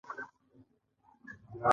ځيني کسان د لغاتو له پاره فهرست جوړوي.